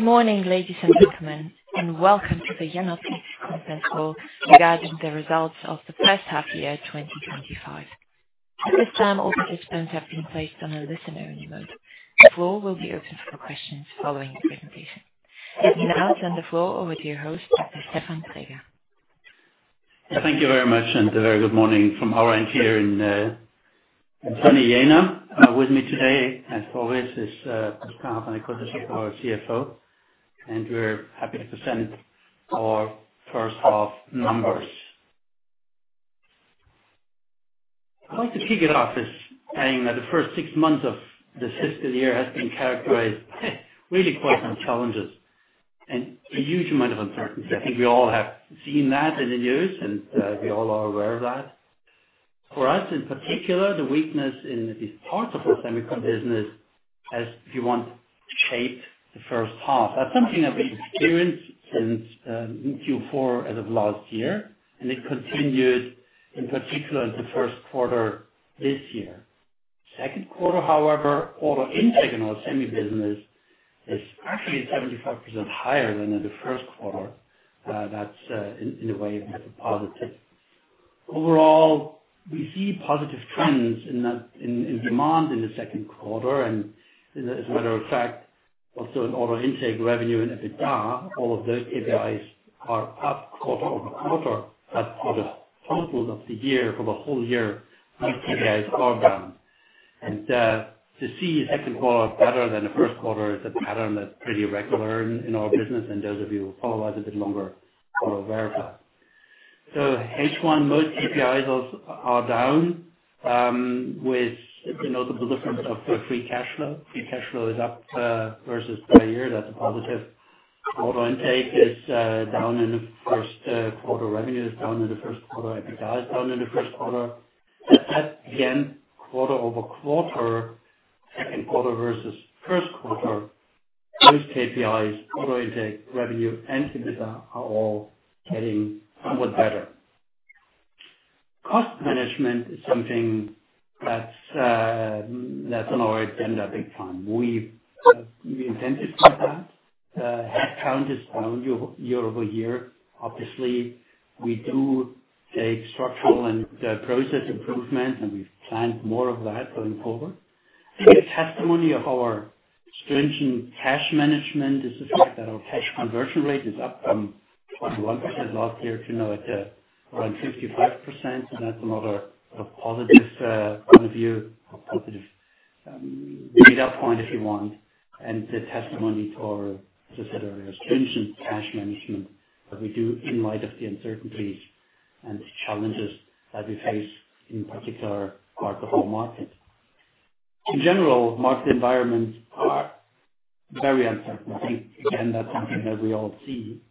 Good morning, ladies and gentlemen, and welcome to the Jenoptik Stefan Traeger Conference call regarding the results of the first half year 2025. At this time, all participants have been placed on a listen-only mode. The floor will be open for questions following the presentation. Let me now turn the floor over to your host, Dr. Stefan Traeger. Thank you very much, and a very good morning from our end here in Jena. With me today, as always, is Prisca Havranek-Kosicek, our CFO, and we're happy to present our first half numbers. I'd like to kick it off by saying that the first six months of this fiscal year have been characterized by really quite some challenges and a huge amount of uncertainty. I think we all have seen that in the news, and we all are aware of that. For us, in particular, the weakness in at least part of the semiconductor business has shaped the first half. That's something that we've experienced since Q4 as of last year, and it continued, in particular, in the first quarter this year. Second quarter, however, order intake and our semi business is actually 75% higher than in the first quarter. That's, in a way, a bit of a positive. Overall, we see positive trends in demand in the second quarter, and as a matter of fact, also in order intake revenue and EBITDA. All of those KPIs are up quarter over quarter, but for the total of the year, for the whole year, these KPIs are down. And to see second quarter better than the first quarter is a pattern that's pretty regular in our business, and those of you who follow us a bit longer will verify. So in H1 most KPIs are down, with a notable difference of free cash flow. Free cash flow is up versus prior year. That's a positive. Order intake is down in the first quarter. Revenue is down in the first quarter. EBITDA is down in the first quarter. Again, quarter over quarter, second quarter versus first quarter, those KPIs, order intake, revenue, and EBITDA, are all getting somewhat better. Cost management is something that's on our agenda big time. We've intensified that, had challenges down year over year. Obviously, we do take structural and process improvements, and we've planned more of that going forward. I think a testimony of our stringent cash management is the fact that our cash conversion rate is up from 21% last year to now at around 55%, and that's another positive point of view, a positive data point, if you want, and the testimony to our, as I said earlier, stringent cash management that we do in light of the uncertainties and challenges that we face in particular part of our market. In general, market environments are very uncertain. I think, again, that's something that we all see,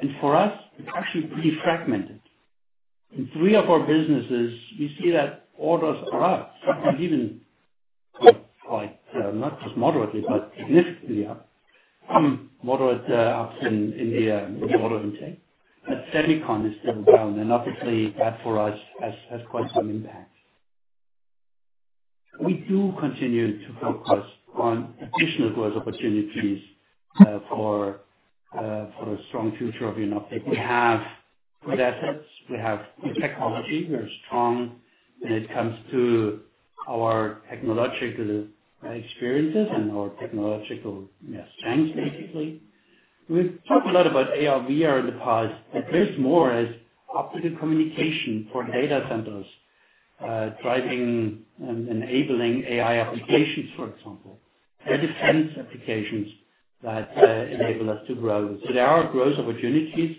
and for us, it's actually pretty fragmented. In three of our businesses, we see that orders are up, sometimes even quite not just moderately, but significantly up. Some moderate ups in the order intake, but semiconductor is still down, and obviously that for us has quite some impact. We do continue to focus on additional growth opportunities for a strong future of Jenoptik. We have good assets. We have good technology. We're strong when it comes to our technological experiences and our technological strengths, basically. We've talked a lot about AR/VR in the past, but there's more as optical communication for data centers driving and enabling AI applications, for example. There are defense applications that enable us to grow. So there are growth opportunities,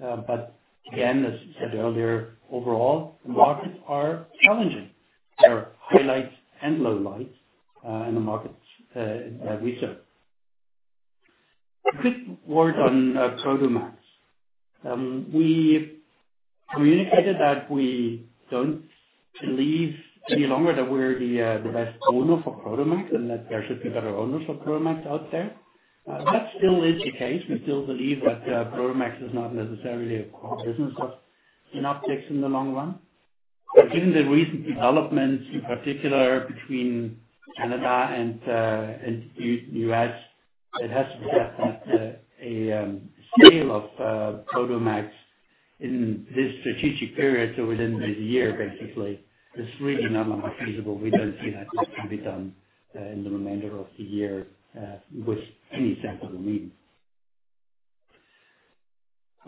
but again, as I said earlier, overall, the markets are challenging. There are highlights and lowlights in the markets that we serve. A quick word on Prodomax. We communicated that we don't believe any longer that we're the best owner for Prodomax and that there should be better owners for Prodomax out there. That still is the case. We still believe that Prodomax is not necessarily a core business of Jenoptik in the long run. Given the recent developments, in particular, between Canada and the U.S., it has to be said that a sale of Prodomax in this strategic period, so within this year, basically, is really not too feasible. We don't see that it can be done in the remainder of the year with any sense of timing.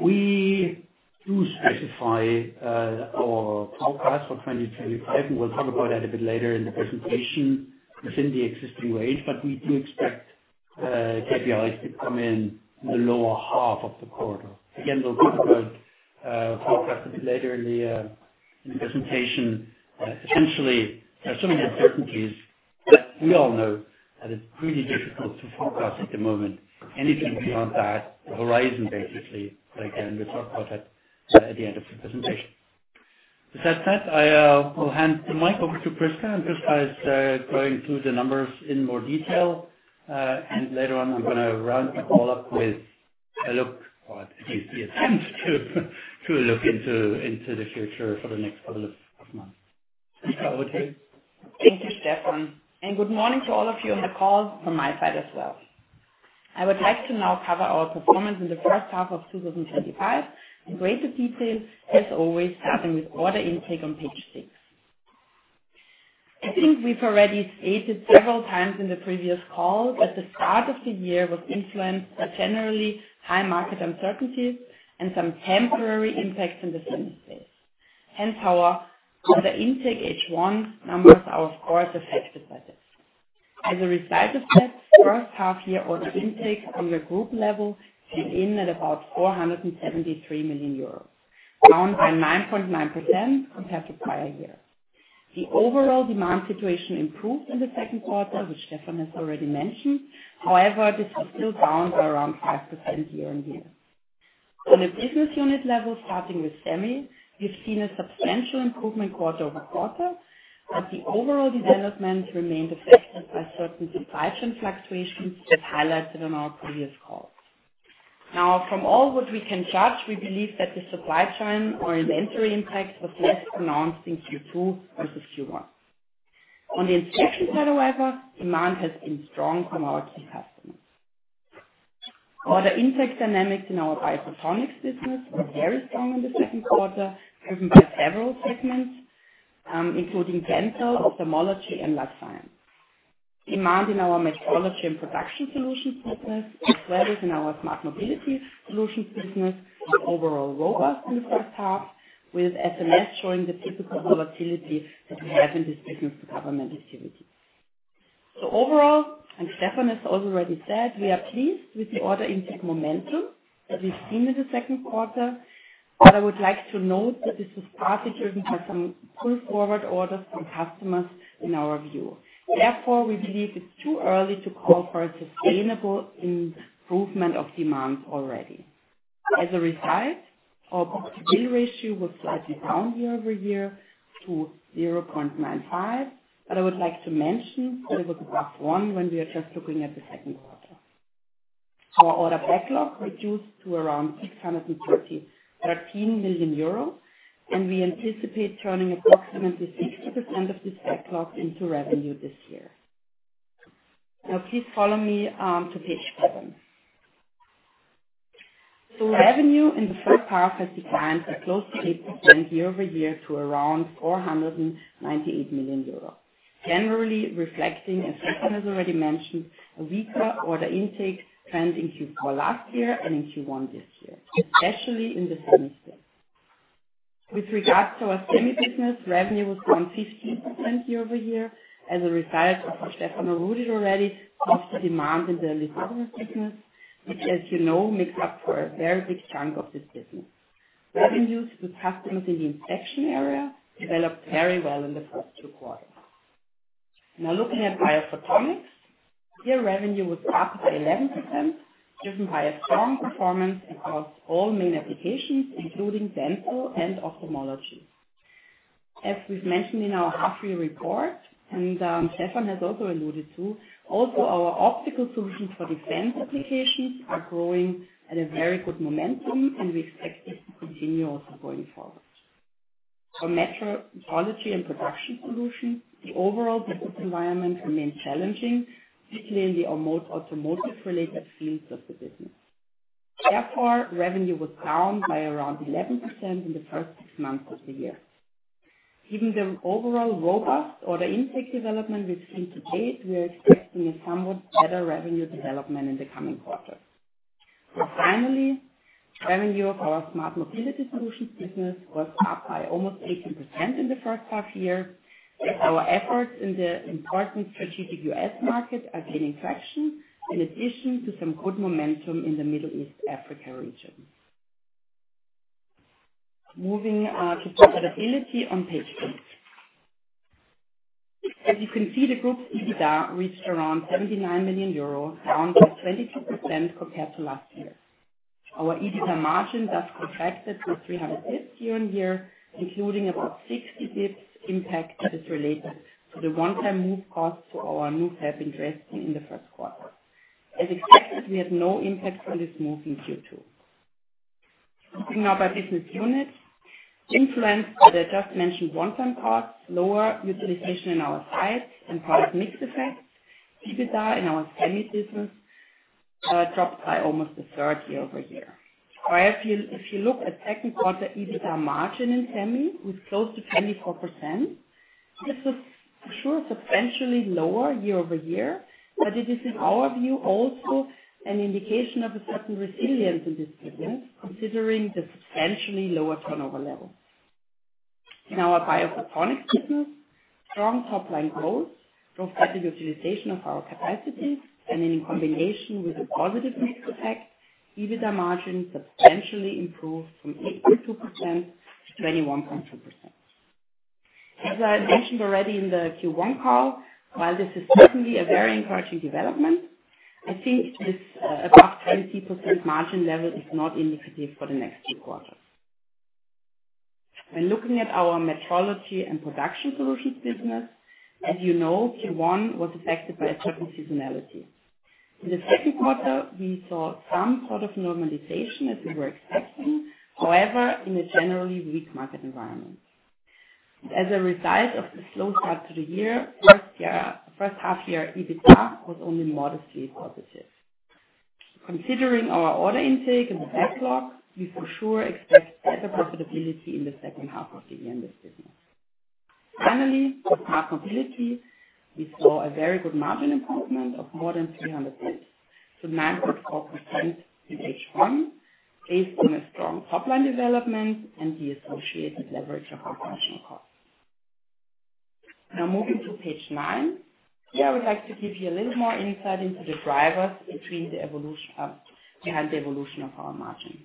We do specify our forecast for 2025, and we'll talk about that a bit later in the presentation, within the existing range, but we do expect KPIs to come in the lower half of the range. Again, we'll talk about the forecast a bit later in the presentation. Essentially, there are so many uncertainties that we all know that it's pretty difficult to forecast at the moment. Anything beyond that horizon, basically, again, we'll talk about that at the end of the presentation. With that said, I will hand the mic over to Prisca, and Prisca is going through the numbers in more detail, and later on, I'm going to round the call up with a look, or at least the attempt to look into the future for the next couple of months. Prisca, over to you. Thank you, Stefan, and good morning to all of you on the call from my side as well. I would like to now cover our performance in the first half of 2025 in greater detail, as always, starting with order intake on page six. I think we've already stated several times in the previous call that the start of the year was influenced by generally high market uncertainties and some temporary impacts in the semi space. Hence, however, the intake H1 numbers are, of course, affected by this. As a result of that, first half year order intake on the group level came in at about € 473 million, down by 9.9% compared to prior year. The overall demand situation improved in the second quarter, which Stefan has already mentioned. However, this was still down by around 5% year on year. On the business unit level, starting with semi, we've seen a substantial improvement quarter over quarter, but the overall development remained affected by certain supply chain fluctuations as highlighted on our previous call. Now, from what we can judge, we believe that the supply chain or inventory impact was less pronounced in Q2 versus Q1. On the inspection side, however, demand has been strong from our key customers. Order intake dynamics in our Biophotonics business were very strong in the second quarter, driven by several segments, including dental, ophthalmology, and life science. Demand in our Metrology and Production Solutions business, as well as in our Smart Mobility Solutions business, was overall robust in the first half, with SMS showing the typical volatility that we have in this business for government activity. So overall, and Stefan has already said, we are pleased with the order intake momentum that we've seen in the second quarter, but I would like to note that this was partly driven by some pull-forward orders from customers, in our view. Therefore, we believe it's too early to call for a sustainable improvement of demand already. As a result, our book-to-bill ratio was slightly down year over year to 0.95, but I would like to mention that it was above one when we are just looking at the second quarter. Our order backlog reduced to around €630 million, and we anticipate turning approximately 60% of this backlog into revenue this year. Now, please follow me to page seven. Revenue in the first half has declined by close to 8% year over year to around 498 million euros, generally reflecting, as Stefan has already mentioned, a weaker order intake trend in Q4 last year and in Q1 this year, especially in the semi space. With regards to our semi business, revenue was down 15% year over year as a result of, as Stefan alluded already, soft demand in the lithography business, which, as you know, makes up for a very big chunk of this business. Revenues with customers in the inspection area developed very well in the first two quarters. Now, looking at biophotonics, year revenue was up by 11%, driven by a strong performance across all main applications, including dental and ophthalmology. As we've mentioned in our half-year report, and Stefan has also alluded to, also our optical solutions for defense applications are growing at a very good momentum, and we expect this to continue also going forward. For metrology and production solutions, the overall business environment remained challenging, particularly in the automotive-related fields of the business. Therefore, revenue was down by around 11% in the first six months of the year. Given the overall robust order intake development we've seen to date, we are expecting a somewhat better revenue development in the coming quarter. Finally, revenue of our smart mobility solutions business was up by almost 18% in the first half year, as our efforts in the important strategic US market are gaining traction, in addition to some good momentum in the Middle East/Africa region. Moving to profitability on page six. As you can see, the group's EBITDA reached around €79 million, down by 22% compared to last year. Our EBITDA margin thus contracted to 35.0%, including about 60 basis points impact that is related to the one-time move costs for our new fab in Huntsville in the first quarter. As expected, we had no impact from this move in Q2. Looking now by business unit, influenced by the just-mentioned one-time costs, lower utilization in our sites and product mix effects, EBITDA in our semi business dropped by almost a third year over year. If you look at second-quarter EBITDA margin in semi, it was close to 24%. This was for sure substantially lower year over year, but it is, in our view, also an indication of a certain resilience in this business, considering the substantially lower turnover level. In our Biophotonics business, strong top-line growth drove better utilization of our capacity, and in combination with a positive mix effect, EBITDA margin substantially improved from 8.2% to 21.2%. As I mentioned already in the Q1 call, while this is certainly a very encouraging development, I think this above 20% margin level is not indicative for the next two quarters. When looking at our Metrology and Production Solutions business, as you know, Q1 was affected by a certain seasonality. In the second quarter, we saw some sort of normalization, as we were expecting, however, in a generally weak market environment. As a result of the slow start to the year, first half year EBITDA was only modestly positive. Considering our order intake and the backlog, we for sure expect better profitability in the second half of the year in this business. Finally, for smart mobility, we saw a very good margin improvement of more than 300 basis points, so 9.4% in H1, based on a strong top-line development and the associated leverage of operational costs. Now, moving to page nine, here, I would like to give you a little more insight into the drivers behind the evolution of our margin.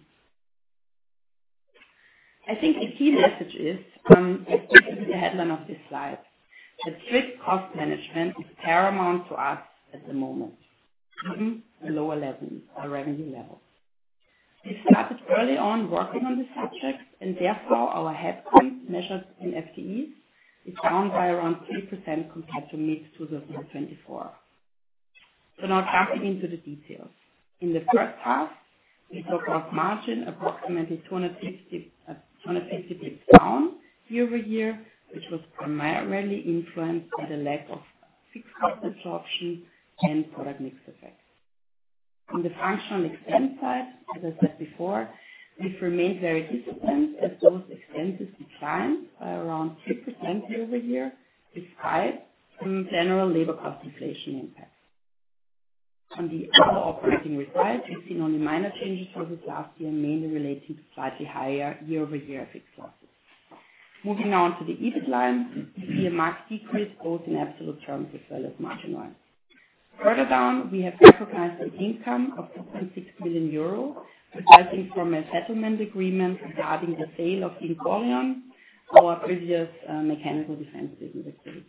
I think the key message is, as seen in the headline of this slide, that strict cost management is paramount to us at the moment, severely below 11% our revenue level. We started early on working on this subject, and therefore our headcount measured in FTEs is down by around 3% compared to mid-2024. So now, jumping into the details. In the first half, we saw cost margin approximately 250 basis points down year over year, which was primarily influenced by the lack of fixed cost absorption and product mix effect. On the functional expense side, as I said before, we've remained very disciplined, as those expenses declined by around 2% year over year, despite some general labor cost inflation impacts. On the other operating results, we've seen only minor changes for this last year, mainly relating to slightly higher year-over-year fixed losses. Moving now on to the EBIT line, we see a marked decrease, both in absolute terms as well as margin-wise. Further down, we have recognized an income of 2.6 million euros, resulting from a settlement agreement regarding the sale of Vincorion, our previous mechanical defense business activity.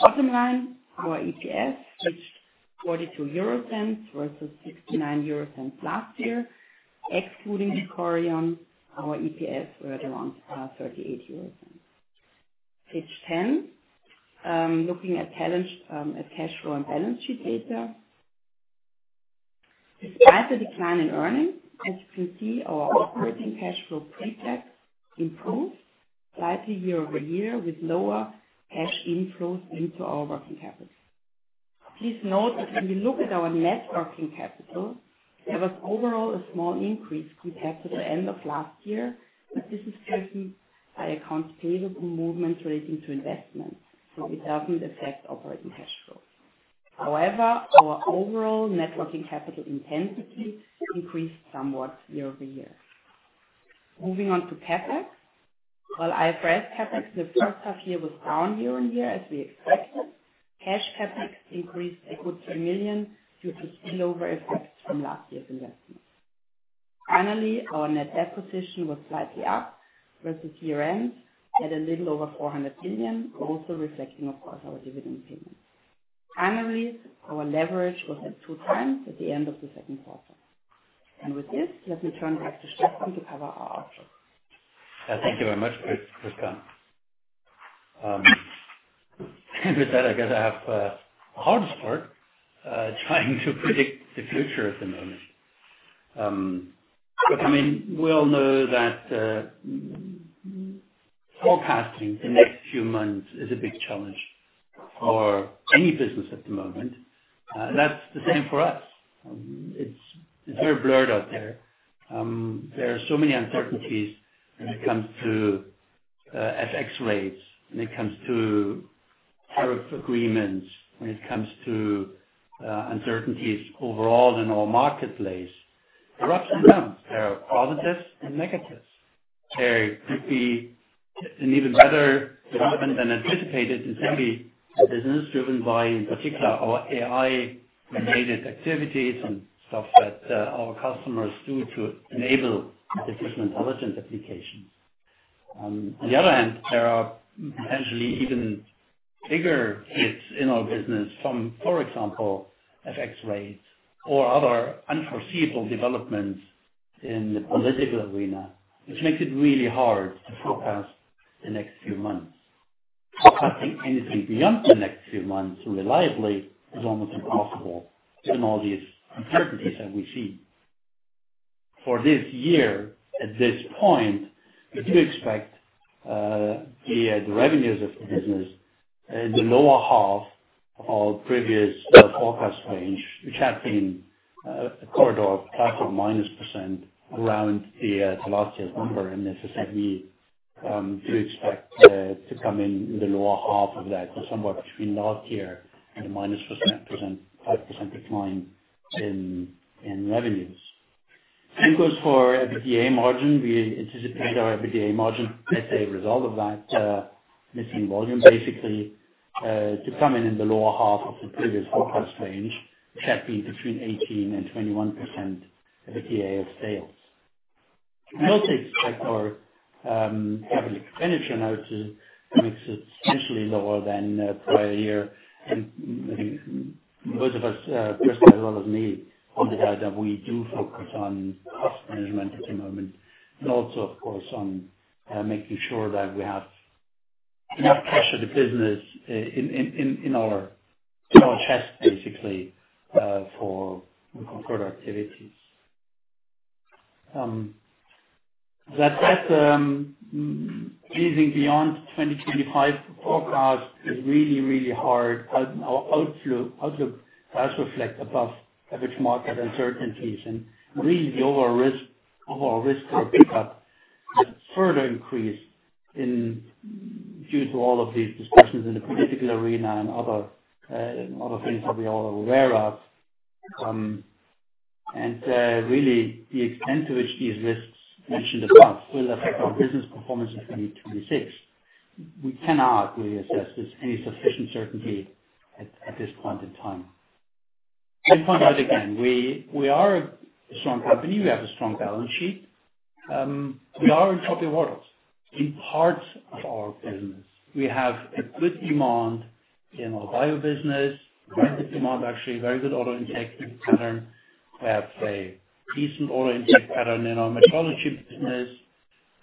Bottom line, our EPS reached EUR 0.42 versus EUR 0.69 last year. Excluding Vincorion, our EPS was around 0.38 euros. Page ten, looking at cash flow and balance sheet data. Despite the decline in earnings, as you can see, our operating cash flow pre-tax improved slightly year over year, with lower cash inflows into our working capital. Please note that when we look at our net working capital, there was overall a small increase compared to the end of last year, but this is driven by accounts payable movements relating to investments, so it doesn't affect operating cash flow. However, our overall net working capital intensity increased somewhat year over year. Moving on to CapEx. While IFRS CapEx in the first half year was down year on year, as we expected, cash CapEx increased by good three million due to spillover effects from last year's investments. Finally, our net debt position was slightly up versus year-end at a little over 400 million, also reflecting, of course, our dividend payments. Finally, our leverage was at two times at the end of the second quarter. And with this, let me turn back to Stefan to cover our outlook. Thank you very much, Prisca. With that, I guess I have a harder part trying to predict the future at the moment. But I mean, we all know that forecasting the next few months is a big challenge for any business at the moment. That's the same for us. It's very blurred out there. There are so many uncertainties when it comes to FX rates, when it comes to tariff agreements, when it comes to uncertainties overall in our marketplace. There are ups and downs. There are positives and negatives. There could be an even better development than anticipated in semi business, driven by, in particular, our AI-related activities and stuff that our customers do to enable artificial intelligence applications. On the other hand, there are potentially even bigger hits in our business from, for example, FX rates or other unforeseeable developments in the political arena, which makes it really hard to forecast the next few months. Forecasting anything beyond the next few months reliably is almost impossible given all these uncertainties that we see. For this year, at this point, we do expect the revenues of the business in the lower half of our previous forecast range, which had been a corridor of plus or minus percent around the last year's number. And as I said, we do expect to come in the lower half of that, somewhere between last year and a minus 5% decline in revenues. Same goes for EBITDA margin. We anticipate our EBITDA margin, as a result of that missing volume, basically to come in in the lower half of the previous forecast range, which had been between 18%-21% EBITDA of sales. We also expect our capital expenditure now to be substantially lower than prior year. And I think both of us, Prisca as well as me, hold the idea that we do focus on cost management at the moment, and also, of course, on making sure that we have enough cash for the business in our chest, basically, for productivities. That leaving beyond 2025 forecast is really, really hard. Our outlook does reflect above average market uncertainties, and really, the overall risk of pickup has further increased due to all of these discussions in the political arena and other things that we are all aware of. And really, the extent to which these risks mentioned above will affect our business performance in 2026, we cannot really assess with any sufficient certainty at this point in time. I point out again, we are a strong company. We have a strong balance sheet. We are in choppy orders in parts of our business. We have a good demand in our bio business, very good demand, actually, very good order intake pattern. We have a decent order intake pattern in our metrology business.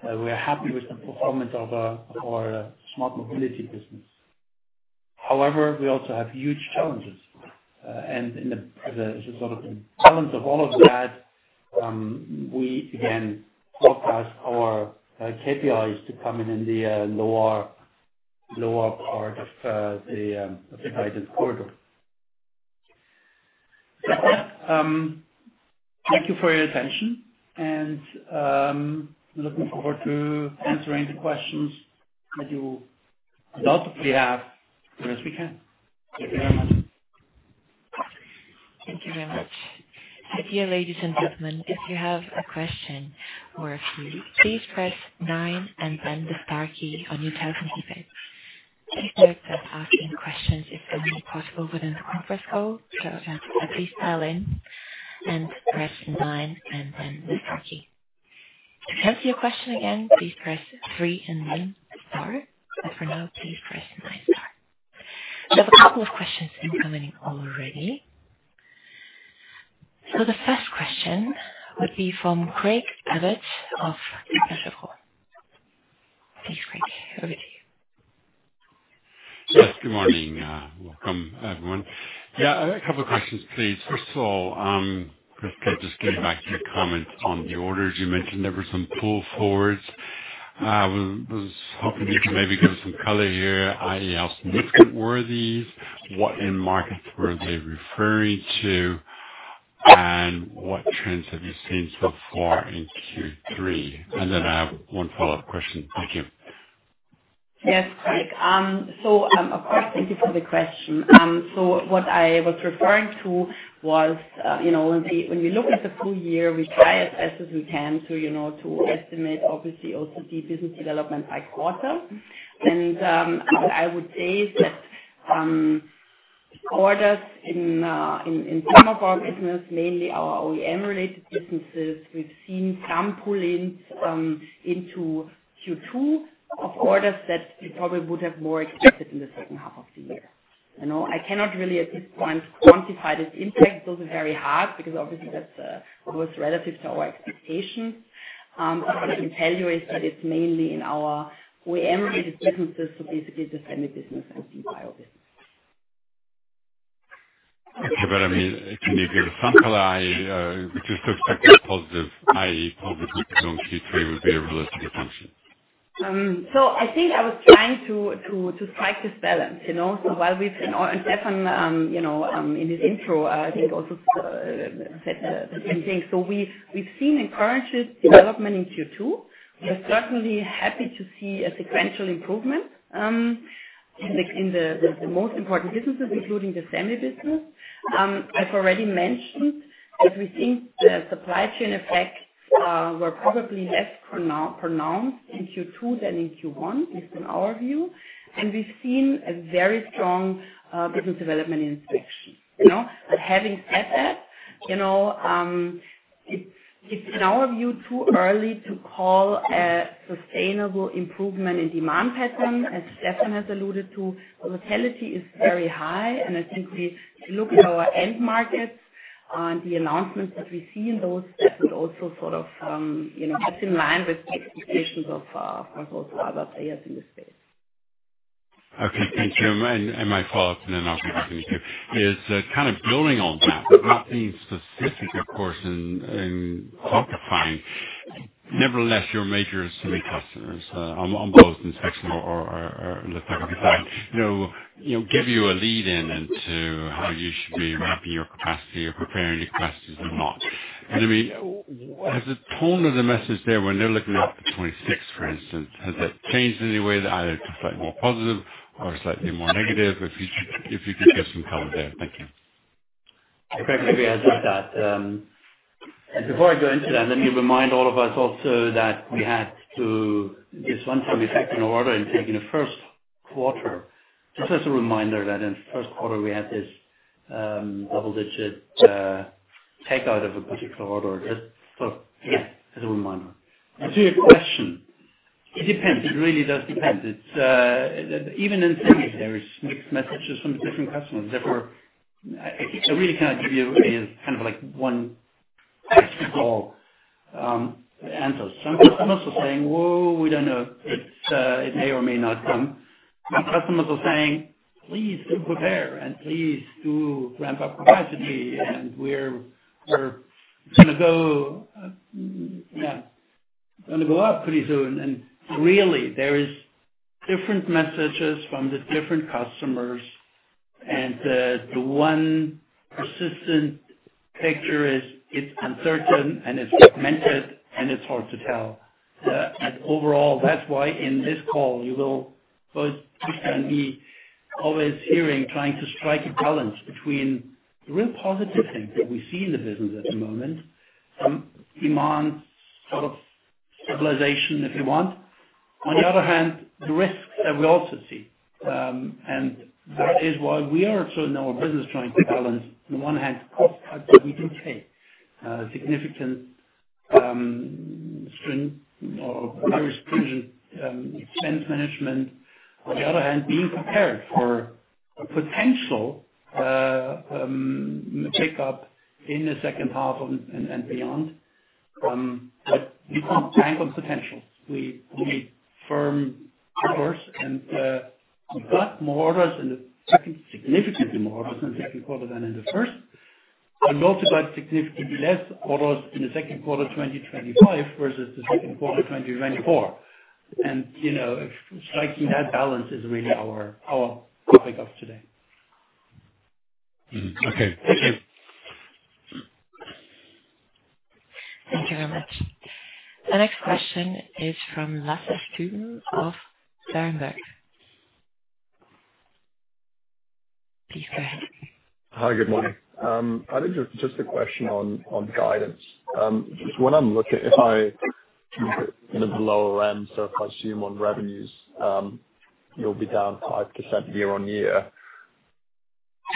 We are happy with the performance of our smart mobility business. However, we also have huge challenges. And in the sort of balance of all of that, we, again, forecast our KPIs to come in in the lower part of the guidance corridor. Thank you for your attention, and I'm looking forward to answering the questions that you undoubtedly have as soon as we can. Thank you very much. Thank you very much. Dear ladies and gentlemen, if you have a question or a feeling, please press 9 and then the star key on your telephone keypad. Please note that asking questions is only possible within the conference call, so please dial in and press 9 and then the star key. To answer your question again, please press 3 and then star. But for now, please press 9 star. We have a couple of questions incoming already. So the first question would be from Craig Abbott of Kepler Cheuvreux. Please, Craig, over to you. Yes, good morning. Welcome, everyone. Yeah, a couple of questions, please. First of all, Prisca, just getting back to your comment on the orders, you mentioned there were some pull forwards. I was hoping you could maybe give us some color here, i.e., how significant were these, what end markets were they referring to, and what trends have you seen so far in Q3? And then I have one follow-up question. Thank you. Yes, Craig. So, of course, thank you for the question. So what I was referring to was, when we look at the full year, we try as best as we can to estimate, obviously, also the business development by quarter. And what I would say is that orders in some of our business, mainly our OEM-related businesses, we've seen some pull-ins into Q2 of orders that we probably would have more expected in the second half of the year. I cannot really, at this point, quantify this impact. Those are very hard because, obviously, that's always relative to our expectations. What I can tell you is that it's mainly in our OEM-related businesses, so basically the semi business and the bio business. Okay, but I mean, can you give us some color? I just expect a positive, i.e., comps in Q3 would be a relative assumption. I think I was trying to strike this balance. While we've and Stefan, in his intro, I think, also said the same thing. We've seen encouraging development in Q2. We're certainly happy to see a sequential improvement in the most important businesses, including the semi business. I've already mentioned that we think the supply chain effects were probably less pronounced in Q2 than in Q1, at least in our view. We've seen a very strong business development in inspection. Having said that, it's, in our view, too early to call a sustainable improvement in demand pattern, as Stefan has alluded to. Volatility is very high, and I think we look at our end markets and the announcements that we see in those. Also sort of gets in line with the expectations of, of course, also other players in this space. Okay, thank you. And my follow-up, and then I'll give you a second or two, is kind of building on that, but not being specific, of course, in quantifying. Nevertheless, your major semi customers on both inspection or the second design give you a lead-in into how you should be mapping your capacity or preparing your capacities or not. And I mean, has the tone of the message there when they're looking at the 26th, for instance, has that changed in any way, either to slightly more positive or slightly more negative? If you could give some color there. Thank you. Okay, maybe I'll take that. And before I go into that, let me remind all of us also that we had this one semi factory order intake in the first quarter. Just as a reminder that in the first quarter, we had this double-digit takeout of a particular order. Just sort of, again, as a reminder. To your question, it depends. It really does depend. Even in semi, there are mixed messages from different customers. Therefore, I really cannot give you kind of one practical answer. Some customers are saying, "Whoa, we don't know. It may or may not come." Some customers are saying, "Please do prepare, and please do ramp up capacity, and we're going to go up pretty soon." And really, there are different messages from the different customers, and the one persistent picture is it's uncertain, and it's fragmented, and it's hard to tell. Overall, that's why in this call, you will hear both Prisca and me always trying to strike a balance between the real positive things that we see in the business at the moment, demand sort of stabilization, if you want. On the other hand, the risks that we also see. That is why we are also in our business trying to balance, on the one hand, cost cuts that we can take, significant, stringent expense management. On the other hand, being prepared for potential pickup in the second half and beyond. We don't bank on potential. We need firm orders, and we've got more orders in the second quarter, significantly more orders in the second quarter than in the first. We've also got significantly less orders in the second quarter 2025 versus the second quarter 2024. Striking that balance is really our topic of today. Okay, thank you. Thank you very much. The next question is from Lasse Stüben of Berenberg. Please go ahead. Hi, good morning. I think just a question on guidance. Just when I'm looking, if I look at the lower end, so if I assume on revenues, you'll be down 5% year on year.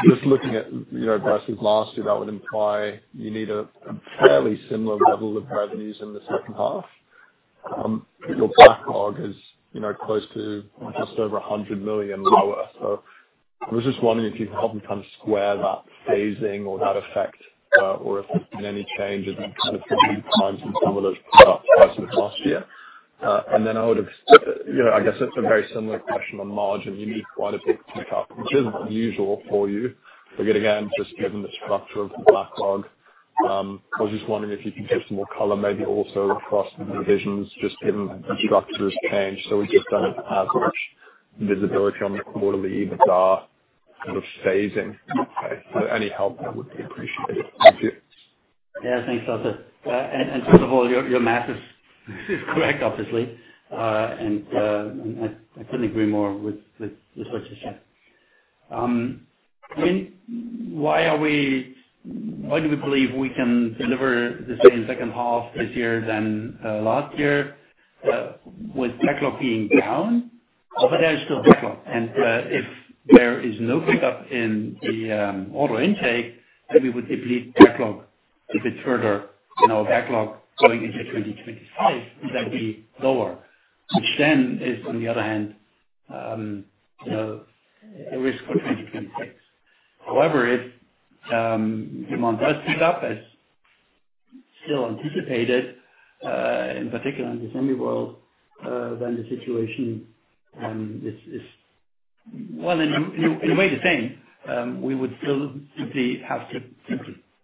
Just looking at versus last year, that would imply you need a fairly similar level of revenues in the second half. Your backlog is close to just over 100 million lower. So I was just wondering if you could help me kind of square that phasing or that effect, or if there's been any changes in kind of the times in some of those products over the past year, and then I would have, I guess, a very similar question on margin. You need quite a bit of pickup, which isn't unusual for you. But yet again, just given the structure of the backlog, I was just wondering if you could give some more color, maybe also across the divisions, just given the structure has changed, so we just don't have as much visibility on the quarterly EBITDA sort of phasing. So any help would be appreciated. Yeah, thanks, Arthur. And first of all, your math is correct, obviously. And I couldn't agree more with what you said. I mean, why do we believe we can deliver the same second half this year than last year with backlog being down? But there's still backlog. And if there is no pickup in the order intake, then we would deplete backlog a bit further. And our backlog going into 2025 would then be lower, which then is, on the other hand, a risk for 2026. However, if demand does pick up, as still anticipated, in particular in the semi world, then the situation is, well, in a way, the same. We would still simply have to -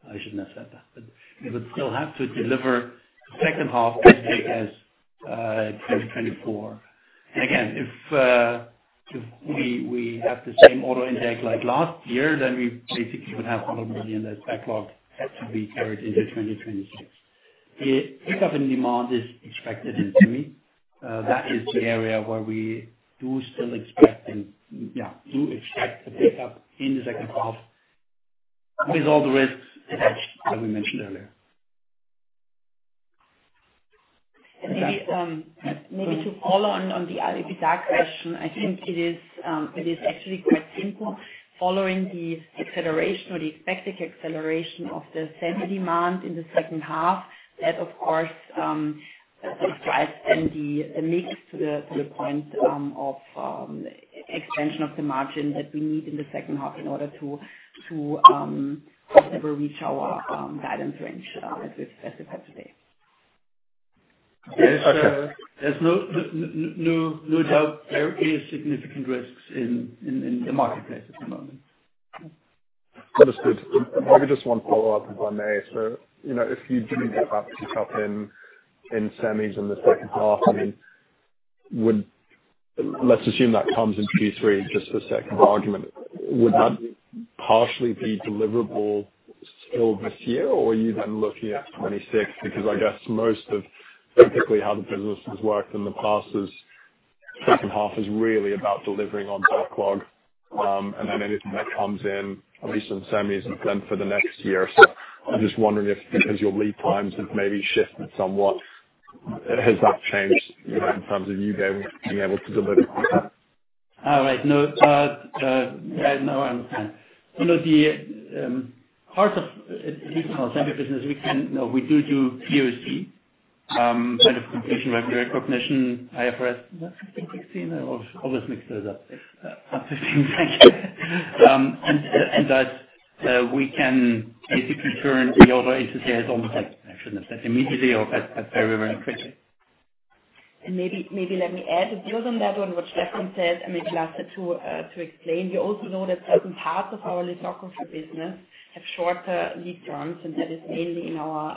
I shouldn't have said that - but we would still have to deliver the second half of the intake as 2024. Again, if we have the same order intake like last year, then we basically would have 100 million less backlog to be carried into 2026. The pickup in demand is expected in semi. That is the area where we do still expect and, yeah, do expect a pickup in the second half with all the risks attached that we mentioned earlier. Maybe to follow on the EBITDA question, I think it is actually quite simple. Following the acceleration or the expected acceleration of the semi demand in the second half, that, of course, describes then the mix to the point of expansion of the margin that we need in the second half in order to, of course, ever reach our guidance range that we've specified today. There's no doubt there are significant risks in the marketplace at the moment. Understood. Maybe just one follow-up, if I may. So if you do get that pickup in semis in the second half, I mean, let's assume that comes in Q3, just for the sake of argument, would that partially be deliverable still this year, or are you then looking at 26? Because I guess most of, typically, how the business has worked in the past is second half is really about delivering on backlog, and then anything that comes in, at least in semis, is then for the next year. So I'm just wondering if, because your lead times have maybe shifted somewhat, has that changed in terms of you being able to deliver on that? All right. No, I understand. The part of semi business, we do do POC, kind of revenue recognition, IFRS 15/16. I always mix those up. 15/16. And we can basically turn the order into sales on the second half. I shouldn't have said immediately or very, very quickly. And maybe let me add, it goes on that one, what Stefan said, and maybe Lasse too, to explain. We also know that certain parts of our lithography business have shorter lead times, and that is mainly in our,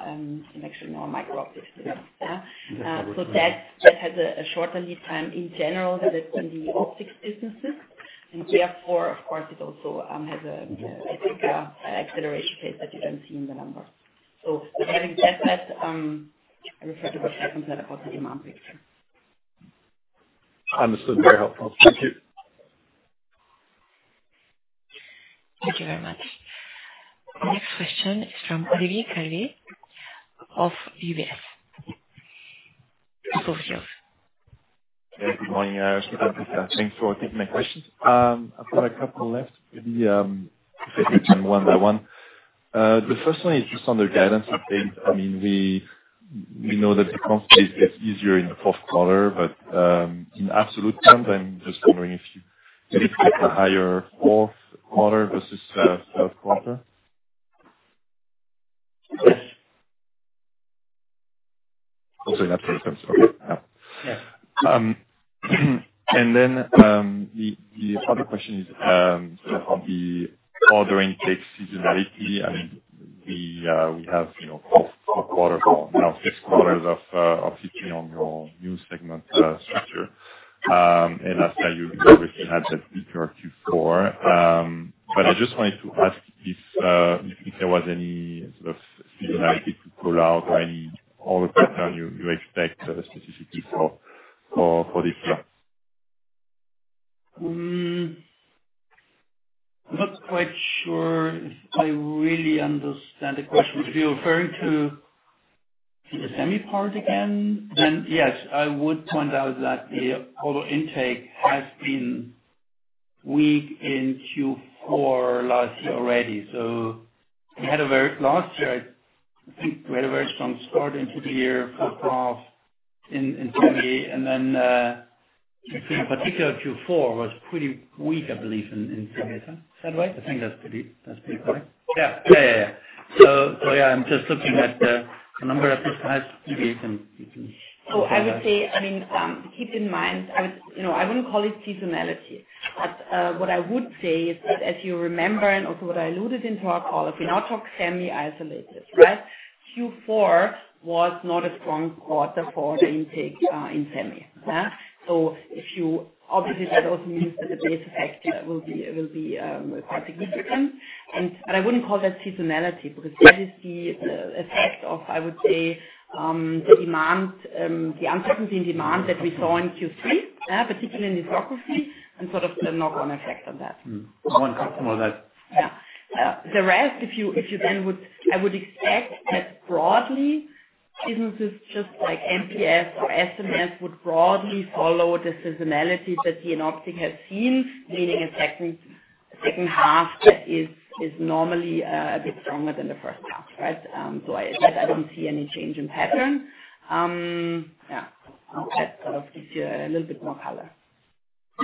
actually, in our micro optics business. So that has a shorter lead time in general than it's in the optics businesses. And therefore, of course, it also has a bigger acceleration phase that you don't see in the numbers. So having said that, I refer to what Stefan said about the demand picture. Understood. Very helpful. Thank you. Thank you very much. The next question is from Olivier Calvet of UBS. Yeah, good morning. I was looking at Prisca. Thanks for taking my questions. I've got a couple left. Maybe if we can go one by one. The first one is just on the guidance update. I mean, we know that it becomes easier in the fourth quarter, but in absolute terms, I'm just wondering if you could pick a higher fourth quarter versus third quarter. Yes. Oh, sorry. That's what it comes to. Okay. Yeah. And then the other question is sort of on the order intake seasonality. I mean, we have four quarters or now six quarters of optics on your new segment structure. And last year, you obviously had the Q3 or Q4. But I just wanted to ask if there was any sort of seasonality to pull out or any order pattern you expect specifically for this year. I'm not quite sure if I really understand the question. If you're referring to the semi part again, then yes, I would point out that the order intake has been weak in Q4 last year already. So last year, I think we had a very strong start into the year for half in semi. And then Q3, in particular, Q4 was pretty weak, I believe, in semi. Is that right? I think that's pretty correct. Yeah. Yeah, yeah, yeah. So yeah, I'm just looking at the number that Prisca has. Maybe you can. So I would say, I mean, keep in mind, I wouldn't call it seasonality. But what I would say is that, as you remember, and also what I alluded to in our call, if we now talk semi isolated, right, Q4 was not a strong quarter for the intake in semi. So obviously, that also means that the base effect will be quite significant. But I wouldn't call that seasonality because that is the effect of, I would say, the uncertainty in demand that we saw in Q3, particularly in lithography, and sort of the knock-on effect on that. One customer that. Yeah. The rest, if you then would. I would expect that broadly, businesses just like APS or SMS would broadly follow the seasonality that the Jenoptik has seen, meaning a second half that is normally a bit stronger than the first half, right? So I don't see any change in pattern. Yeah. That sort of gives you a little bit more color.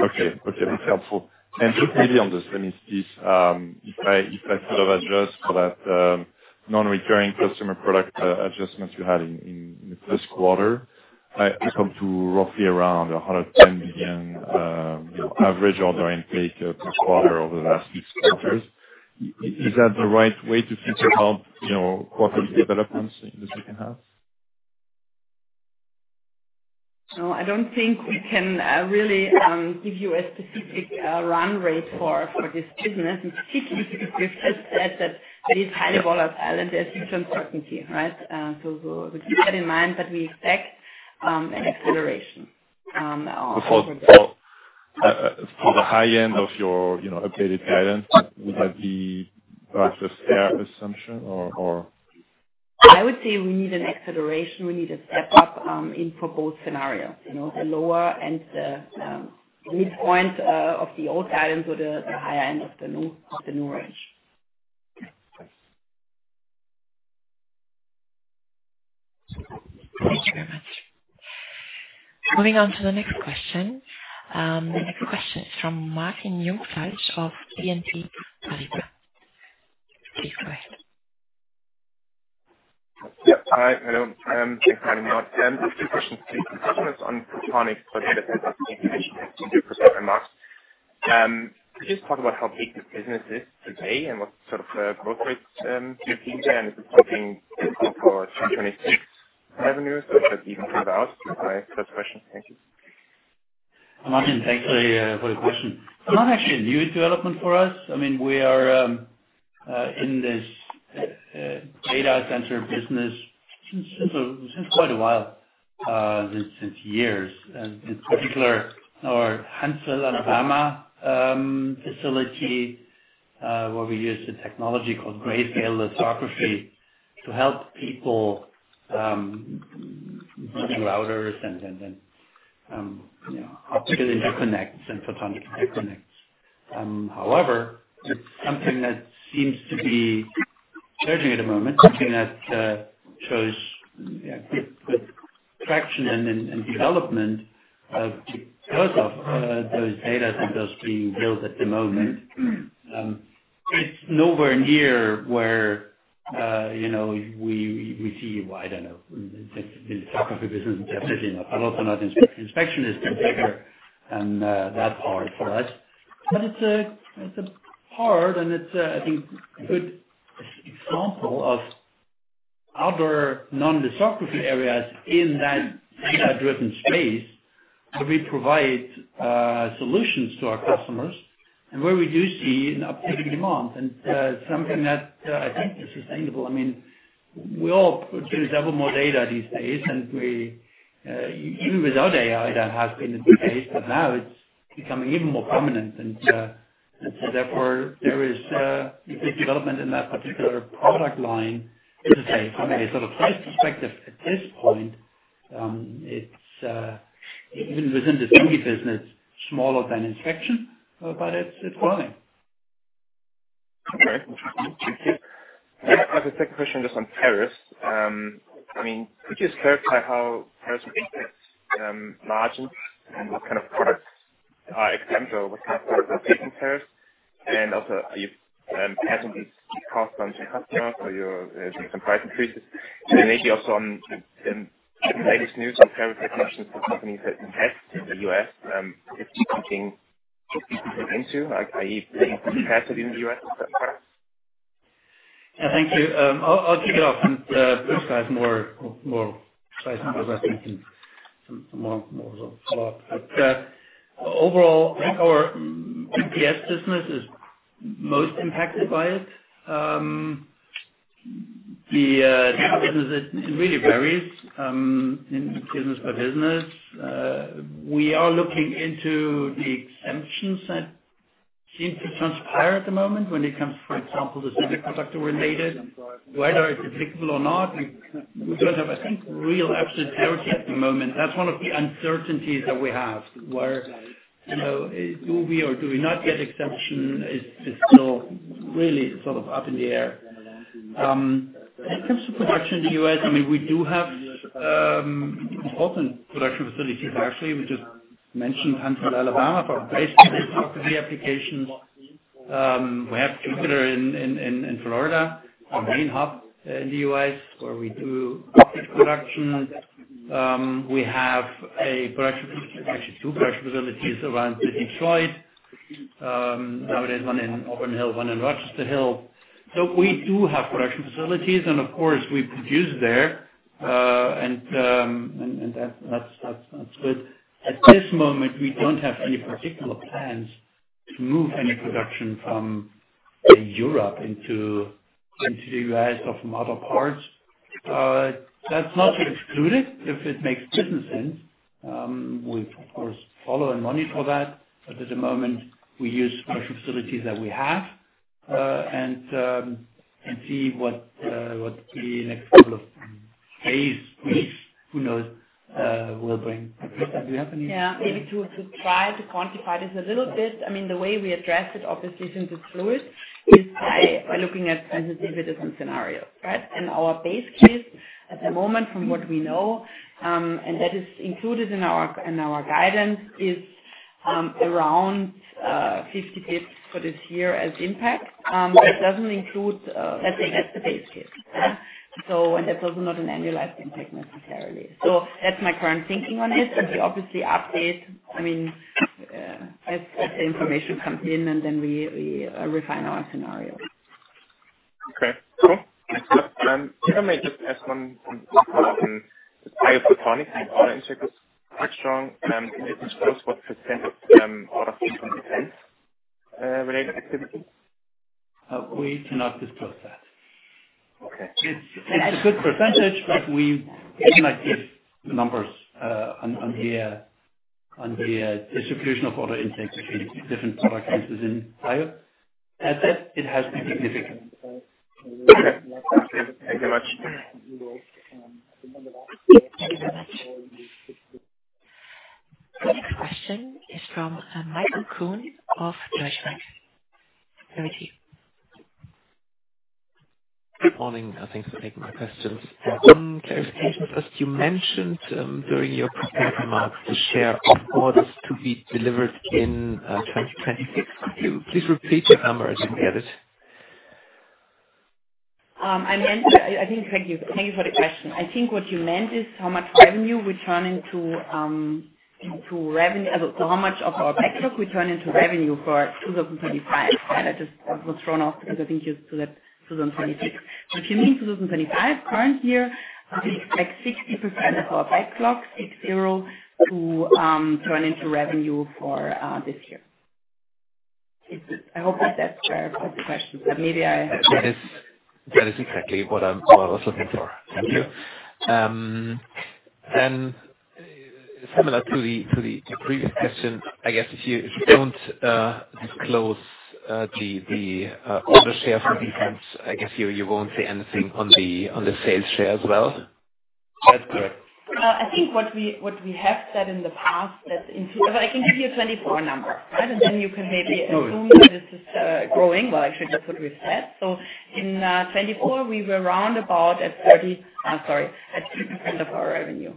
Okay. Okay. That's helpful. And just maybe on the semi space, if I sort of address that non-recurring customer product adjustment you had in the first quarter, I come to roughly around 110 million average order intake per quarter over the last six quarters. Is that the right way to think about quarterly developments in the second half? No, I don't think we can really give you a specific run rate for this business, and particularly because we've just said that it is highly volatile and there's huge uncertainty, right? So keep that in mind that we expect an acceleration. So for the high end of your updated guidance, would that be a fair assumption or? I would say we need an acceleration. We need a step up for both scenarios, the lower and the midpoint of the old guidance or the higher end of the new range. Thanks. Thank you very much. Moving on to the next question. The next question is from Martin Jungfleisch of BNP Paribas. Please go ahead. Yeah. Hi, I'm James Martin. Just two questions for you, Prisca. It's on Prodomax, but it's a different situation than you've described, USMCA. Could you just talk about how big the business is today and what sort of growth rates you've seen there? And is it something for 2026 revenues or does it even come about? My first question. Thank you. Martin, thank you for the question. It's not actually a new development for us. I mean, we are in this data center business since quite a while, since years. In particular, our Huntsville, Alabama facility, where we use a technology called Grayscale lithography to help people with routers and optical interconnects and photonic interconnects. However, it's something that seems to be surging at the moment, something that shows good traction and development because of those data centers being built at the moment. It's nowhere near where we see, I don't know, the lithography business is definitely not. But also not inspection is bigger than that part for us. But it's a part, and it's, I think, a good example of other non-lithography areas in that data-driven space where we provide solutions to our customers and where we do see an uptick in demand, and something that I think is sustainable. I mean, we all produce ever more data these days, and even without AI, that has been the case. But now it's becoming even more prominent. And so therefore, there is good development in that particular product line. It's a phase. I mean, it's sort of size perspective at this point. Even within the semi business, it's smaller than inspection, but it's growing. Okay. Interesting. Thank you. I have a second question just on tariffs. I mean, could you just clarify how tariffs affect margins and what kind of products are exempt from tariffs? And also, are you adding these costs onto customers or is it some price increases? And maybe also on the latest news on tariff reductions for companies that invest in the U.S., if you're looking into, i.e., companies that have invested in the U.S. in certain products? Yeah. Thank you. I'll take it off. And Prisca has more slides and more questions and some more sort of follow-up. But overall, I think our APS business is most impacted by it. The business, it really varies in business by business. We are looking into the exemptions that seem to transpire at the moment when it comes, for example, to semiconductor-related. Whether it's applicable or not, we don't have, I think, real absolute clarity at the moment. That's one of the uncertainties that we have. Where do we or do we not get exemption is still really sort of up in the air. When it comes to production in the US, I mean, we do have important production facilities, actually. We just mentioned Huntsville, Alabama for our grayscale lithography applications. We have Jupiter in Florida, our main hub in the US, where we do optics production. We have a production facility, actually two production facilities around Detroit. Now there's one in Auburn Hills, one in Rochester Hills. So we do have production facilities, and of course, we produce there, and that's good. At this moment, we don't have any particular plans to move any production from Europe into the U.S. or from other parts. That's not to exclude it if it makes business sense. We've, of course, followed and monitored that. But at the moment, we use production facilities that we have and see what the next couple of days, weeks, who knows, will bring. Do you have any? Yeah. Maybe to try to quantify this a little bit. I mean, the way we address it, obviously, since it's fluid, is by looking at business incidents and scenarios, right? And our base case at the moment, from what we know, and that is included in our guidance, is around 50 basis points for this year as impact. It doesn't include. Let's say that's the base case. And that's also not an annualized impact necessarily. So that's my current thinking on it. We obviously update, I mean, as the information comes in, and then we refine our scenarios. Okay. Cool. Then maybe I may just ask one follow-up. And in Jenoptik, the order intake is quite strong. Can you disclose what percentage of orders seem to be defense-related activity? We cannot disclose that. Okay. It's a good percentage, but we cannot give numbers on the distribution of order intake between different product pieces in Bio. At that, it has to be significant. Okay. Thank you very much. The next question is from Michael Kuhn of Deutsche Bank. Over to you. Good morning. Thanks for taking my questions. One clarification. As you mentioned during your preparatory remarks, the share of orders to be delivered in 2026. Could you please repeat the number as you get it? I think, thank you for the question. I think what you meant is how much revenue we turn into revenue, so how much of our backlog we turn into revenue for 2025. That was thrown off because I think you said 2026. But if you mean 2025, current year, we expect 60% of our backlog, 60, to turn into revenue for this year. I hope that that's clarified the question. But maybe I. That is exactly what I was looking for. Thank you. Then, similar to the previous question, I guess if you don't disclose the order share for defense, I guess you won't say anything on the sales share as well? That's correct. I think what we have said in the past, that's in. But I can give you a 2024 number, right? And then you can maybe assume that this is growing. Well, actually, that's what we've said. So in 2024, we were around at 30% of our revenue.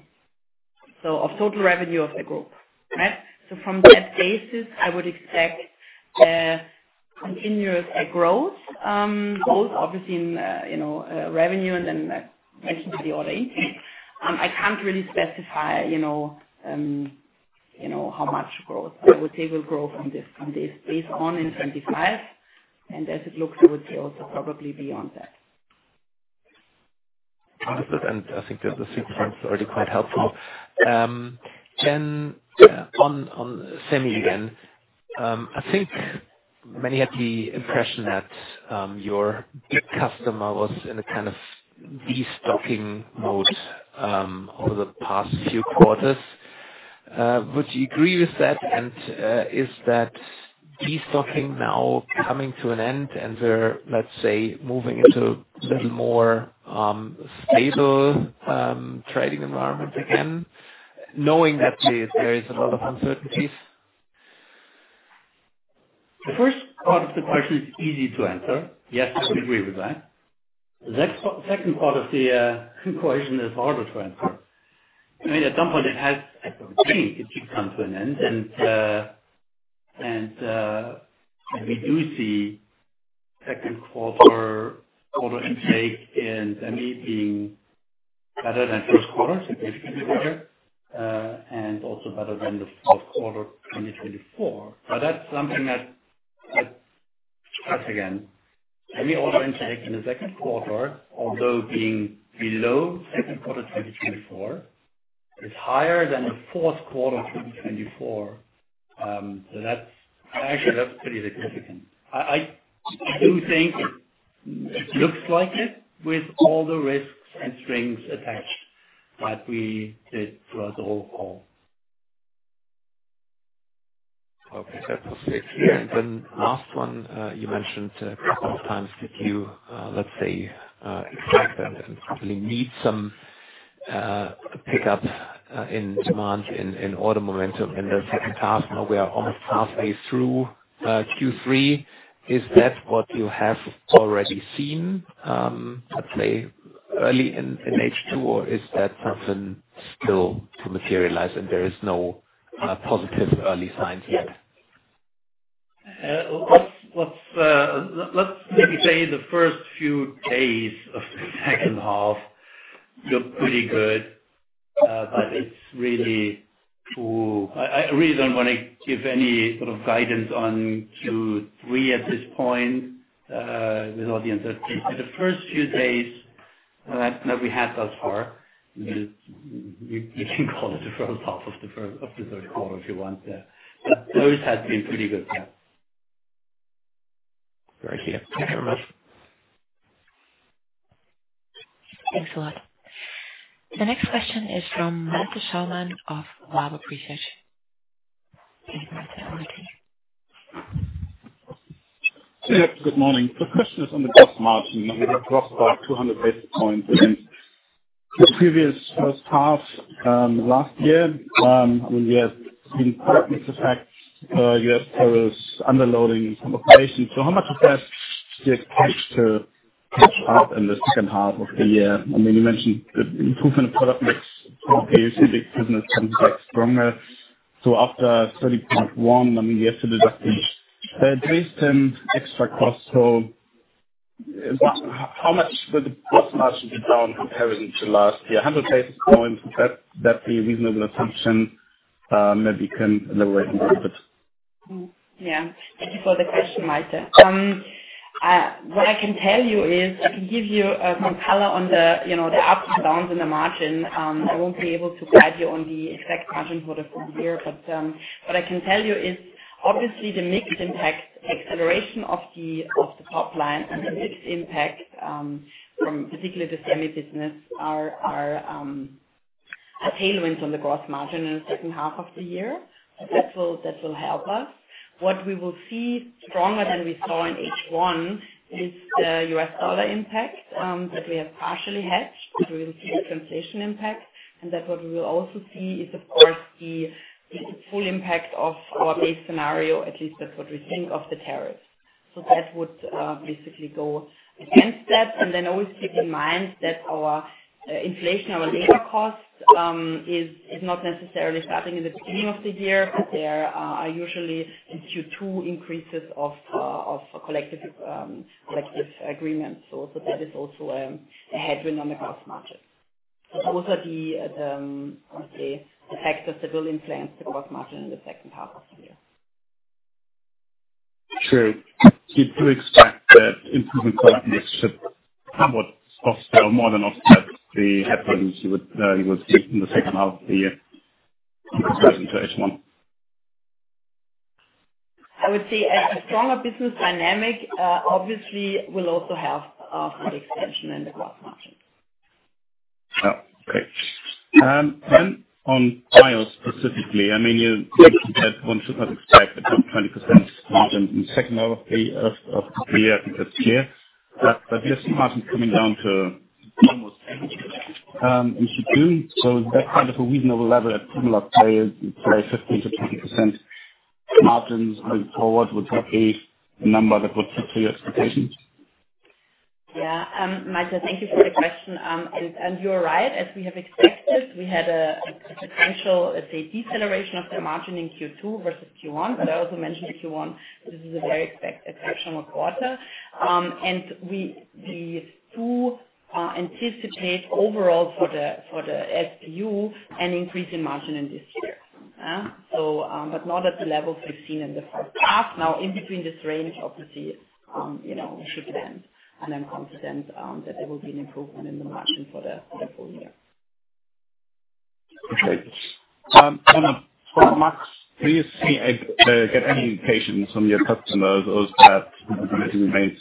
So of total revenue of the group, right? So from that basis, I would expect continuous growth, both obviously in revenue and then mentioned by the order intake. I can't really specify how much growth, but I would say we'll grow from this based on in 2025. And as it looks, I would say also probably beyond that. Understood. And I think the sequence is already quite helpful. Then on semi again, I think many had the impression that your big customer was in a kind of destocking mode over the past few quarters. Would you agree with that? And is that destocking now coming to an end, and we're, let's say, moving into a little more stable trading environment again, knowing that there is a lot of uncertainties? The first part of the question is easy to answer. Yes, I would agree with that. The second part of the question is harder to answer. I mean, at some point, it has to change. It keeps on to an end. And we do see second quarter order intake in semi being better than first quarter, significantly better, and also better than the fourth quarter 2024. But that's something that, once again, semi order intake in the second quarter, although being below second quarter 2024, is higher than the fourth quarter 2024. So actually, that's pretty significant. I do think it looks like it with all the risks and strings attached that we did throughout the whole call. Okay. That's okay, and then last one, you mentioned a couple of times that you, let's say, expect that we need some pickup in demand in order momentum. And as we can tell, we are almost halfway through Q3. Is that what you have already seen, let's say, early in H2, or is that something still to materialize and there is no positive early signs yet? Let's maybe say the first few days of the second half look pretty good, but it's really too early. I really don't want to give any sort of guidance on Q3 at this point with all the uncertainties. But the first few days that we had thus far, we can call it the first half of the third quarter if you want, but those have been pretty good, yeah. Very clear. Thank you very much. Thanks a lot. The next question is from Michael Schaumann of Warburg Research. Please go ahead and over to you. Good morning. The question is on the gross margin. We have grown by 200 basis points since the previous first half last year. I mean, we have seen product mix effects. You have various underloading and some operations. So how much of that do you expect to catch up in the second half of the year? I mean, you mentioned the improvement of product mix. Obviously, the business comes back stronger. So after 30.1, I mean, you have to deduct at least some extra costs. So how much will the gross margin be down compared to last year? 100 basis points, would that be a reasonable assumption? Maybe you can elaborate a little bit. Yeah. Thank you for the question, Michael. What I can tell you is I can give you some color on the ups and downs in the margin. I won't be able to guide you on the exact margin for the full year. But what I can tell you is, obviously, the mixed impact acceleration of the top line and the mixed impact from particularly the semi business are tailwinds on the growth margin in the second half of the year. So that will help us. What we will see stronger than we saw in H1 is the US dollar impact that we have partially hedged. We will see the translation impact. And then what we will also see is, of course, the full impact of our base scenario, at least that's what we think of the tariffs. So that would basically go against that. And then always keep in mind that our inflation, our labor costs is not necessarily starting in the beginning of the year, but there are usually Q2 increases of collective agreements. So that is also a headwind on the growth margin. So those are the, I would say, factors that will influence the growth margin in the second half of the year. Okay. So you do expect that improvement product mix should somewhat soften, or more than offset, the headwinds you will see in the second half of the year compared to H1? I would say a stronger business dynamic, obviously, will also have a full extension in the growth margin. Yeah. Okay. Then on Bio specifically, I mean, you mentioned that one should not expect a top 20% margin in the second half of the year. I think that's clear. But you're seeing margins coming down to almost 80%. And if you do, so is that kind of a reasonable level at similar players? You play 15%-20% margins going forward, would that be a number that would fit your expectations? Yeah. Michael, thank you for the question. And you're right. As we have expected, we had a potential, let's say, deceleration of the margin in Q2 versus Q1. But I also mentioned Q1. This is a very exceptional quarter. And we do anticipate overall for the SPU an increase in margin in this year. But not at the levels we've seen in the first half. Now, in between this range, obviously, we should land. And I'm confident that there will be an improvement in the margin for the full year. Okay. On the product mix, do you see any, get any indications from your customers or is that it remains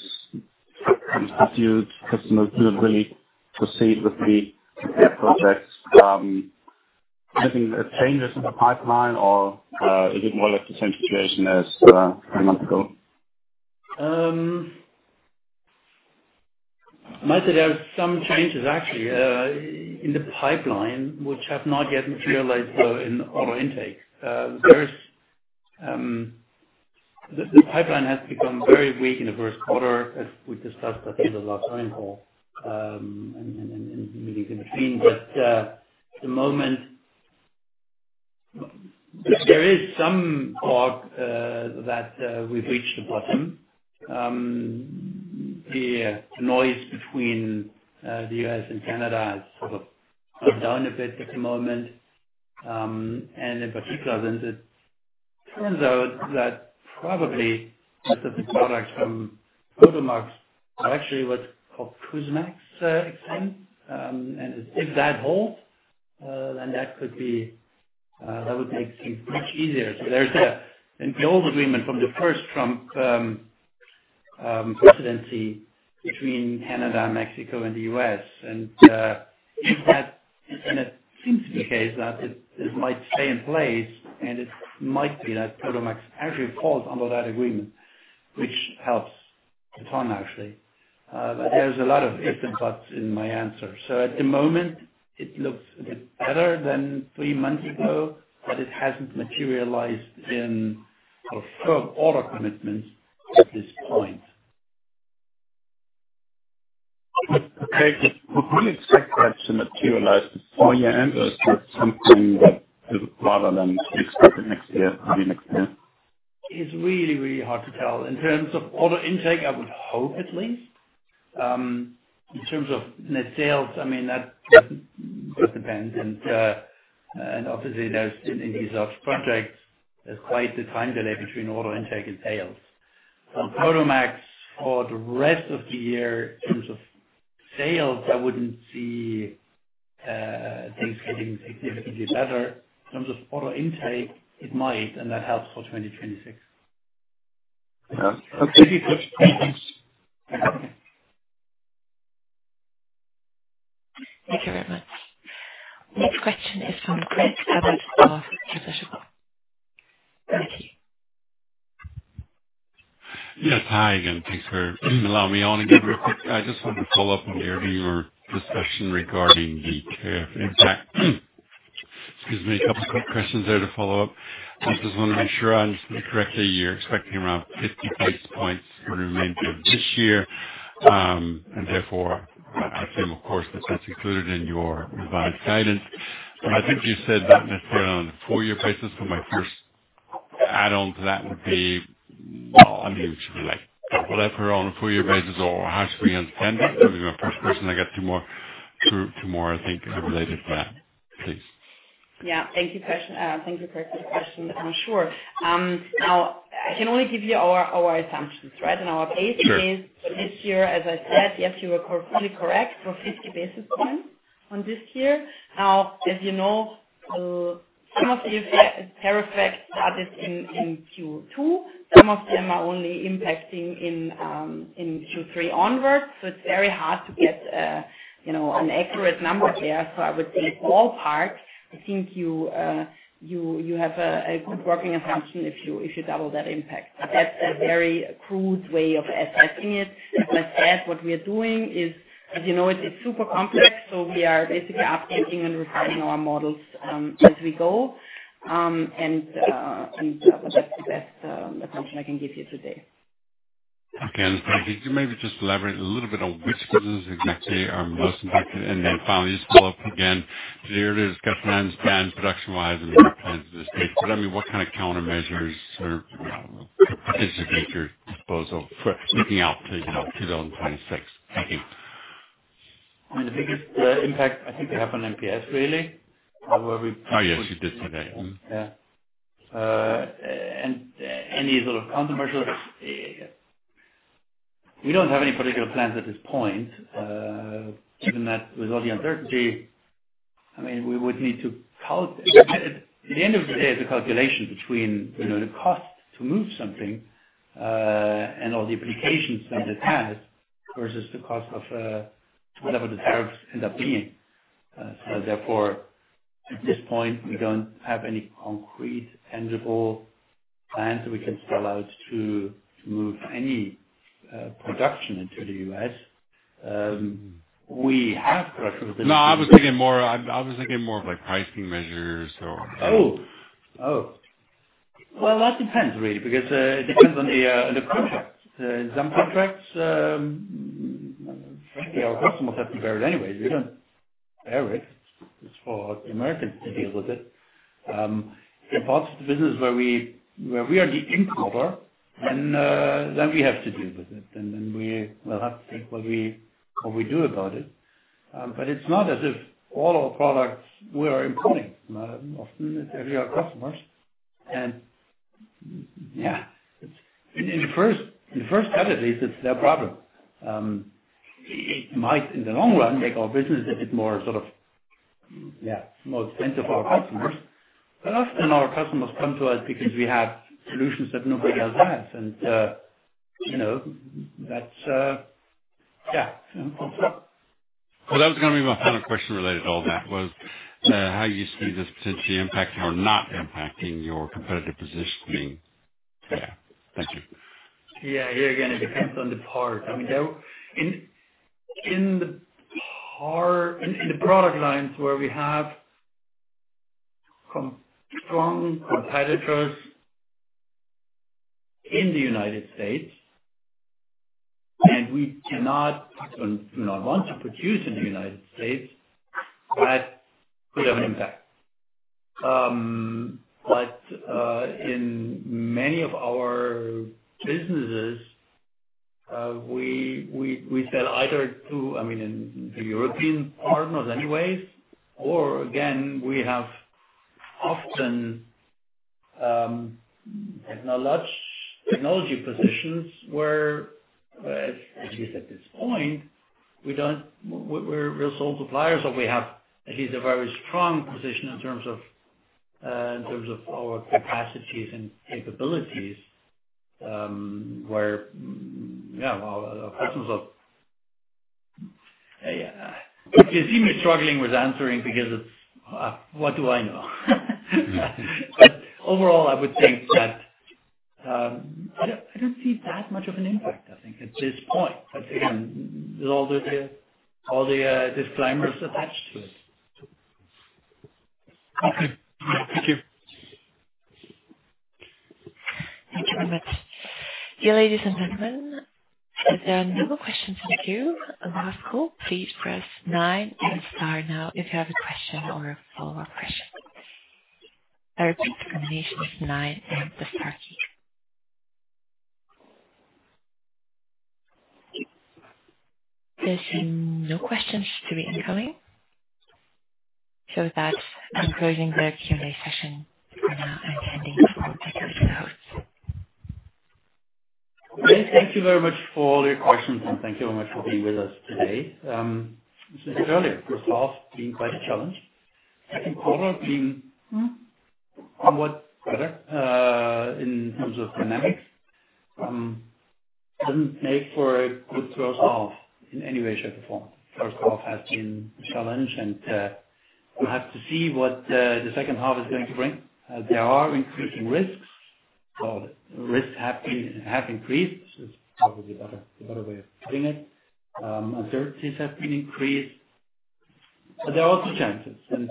unpursued? Customers do not really proceed with the projects. Anything that changes in the pipeline, or is it more or less the same situation as a few months ago? Michael, there are some changes, actually, in the pipeline, which have not yet materialized in order intake. The pipeline has become very weak in the first quarter, as we discussed at the last round call and in the meetings in between. But at the moment, there is some talk that we've reached the bottom. The noise between the US and Canada has sort of gone down a bit at the moment. And in particular, then it turns out that probably most of the products from Prodomax are actually what's called USMCA exempt. And if that holds, then that could be that would make things much easier. So there's an old agreement from the first Trump presidency between Canada, Mexico, and the US. And if that seems to be the case, that this might stay in place, and it might be that Prodomax actually falls under that agreement, which helps a ton, actually. But there's a lot of ifs and buts in my answer. So at the moment, it looks a bit better than three months ago, but it hasn't materialized in further order commitments at this point. Okay. Would you expect that to materialize before year-end, or is that something that rather than expect it next year, maybe next year? It's really, really hard to tell. In terms of order intake, I would hope at least. In terms of net sales, I mean, that depends. And obviously, in these large projects, there's quite a time delay between order intake and sales. On Prodomax, for the rest of the year, in terms of sales, I wouldn't see things getting significantly better. In terms of order intake, it might, and that helps for 2026. Yeah. Okay. Thank you. Thank you very much. Next question is from Chris Edwards of Prudential. Thank you. Yes. Hi again. Thanks for allowing me on again. I just wanted to follow up on the earlier discussion regarding the tariff impact. Excuse me. A couple of quick questions there to follow up. I just want to make sure I understood it correctly. You're expecting around 50 basis points for the remainder of this year, and therefore, I assume, of course, that that's included in your revised guidance, but I think you said not necessarily on a full-year basis, so my first add-on to that would be, well, I mean, should we lever on a full-year basis, or how should we understand it? That would be my first question. I got two more, I think, related to that. Please. Yeah. Thank you, Chris. Thank you, Chris, for the question. I'm sure. Now, I can only give you our assumptions, right, and our basis. But this year, as I said, yes, you were completely correct for 50 basis points on this year. Now, as you know, some of the tariff effects started in Q2. Some of them are only impacting in Q3 onwards. So it's very hard to get an accurate number there. So I would say, ballpark, I think you have a good working assumption if you double that impact. But that's a very crude way of assessing it. As I said, what we are doing is, as you know, it's super complex. So we are basically updating and refining our models as we go. And that's the best assumption I can give you today. Okay. I understand. Could you maybe just elaborate a little bit on which businesses exactly are most impacted? And then finally, just follow up again. Today, you're at a discussion on spend production-wise and the plans for this stage. But I mean, what kind of countermeasures or potential future disposal for looking out to 2026? Thank you. I mean, the biggest impact, I think, they have on APS, really. How are we? Oh, yes, you did say that. Yeah. And any sort of countermeasures. We don't have any particular plans at this point. Given that, with all the uncertainty, I mean, we would need to calculate. At the end of the day, it's a calculation between the cost to move something and all the implications that it has versus the cost of whatever the tariffs end up being. So therefore, at this point, we don't have any concrete tangible plans that we can spell out to move any production into the U.S. We have production within the States. No, I was thinking more of pricing measures or. Well, that depends, really, because it depends on the contract. Some contracts, frankly, our customers have to bear it anyway. We don't bear it. It's for the Americans to deal with it. In parts of the business where we are the importer, then we have to deal with it. And then we will have to think what we do about it. But it's not as if all our products we are importing. Often, it's actually our customers. And yeah, in the first cut, at least, it's their problem. It might, in the long run, make our business a bit more sort of, yeah, more expensive for our customers. But often, our customers come to us because we have solutions that nobody else has. And that's, yeah, that's what. That was going to be my final question related to all that, was how you see this potentially impacting or not impacting your competitive positioning. Yeah. Thank you. Yeah. Here again, it depends on the part. I mean, in the product lines where we have strong competitors in the United States, and we do not want to produce in the United States, that could have an impact. But in many of our businesses, we sell either to, I mean, to European partners anyways, or again, we have often technology positions where, at least at this point, we're sole suppliers, or we have at least a very strong position in terms of our capacities and capabilities where, yeah, our customers are. It seems struggling with answering because it's, what do I know? But overall, I would think that I don't see that much of an impact, I think, at this point. But again, there's all the disclaimers attached to it. Okay. Thank you. Thank you very much. Dear ladies and gentlemen, if there are no more questions from you for the last call, please press 9 and star now if you have a question or a follow-up question. I repeat, the combination is 9 and the star key. There's no questions to be incoming. So with that, I'm closing the Q&A session. I'm now ending the recording of the notes. Okay. Thank you very much for all your questions, and thank you very much for being with us today. As I said earlier, first half being quite a challenge. Second quarter being somewhat better in terms of dynamics doesn't make for a good first half in any way, shape, or form. First half has been a challenge, and we'll have to see what the second half is going to bring. There are increasing risks, well, risks have increased. It's probably the better way of putting it. Uncertainties have been increased. But there are also chances, and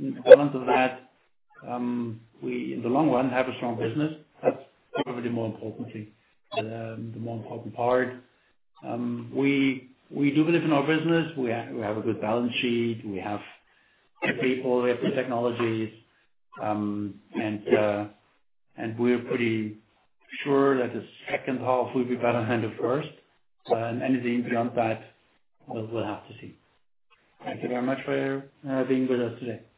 in the balance of that, we, in the long run, have a strong business. That's probably the more important thing, the more important part. We do believe in our business. We have a good balance sheet. We have the people. We have the technologies. And we're pretty sure that the second half will be better than the first. And anything beyond that, we'll have to see. Thank you very much for being with us today.